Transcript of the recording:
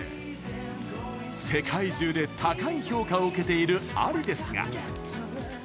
世界中で高い評価を受けているＡＬＩですが。